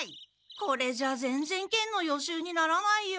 これじゃぜんぜん剣の予習にならないよ。